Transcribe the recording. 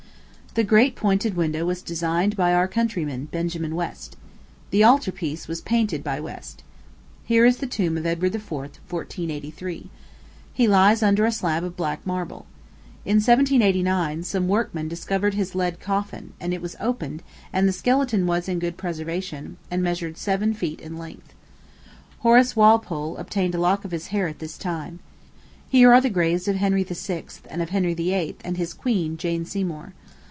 The great pointed window was designed by our countryman, Benjamin West. The altar piece was painted by West. Here is the tomb of Edward IV., 1483. He lies under a slab of black marble. In 1789, some workmen discovered his lead coffin, and it was opened, and the skeleton was in good preservation, and measured seven feet in length. Horace Walpole obtained a lock of his hair at this time. Here are the graves of Henry VI., and of Henry VIII. and his queen, Jane Seymour.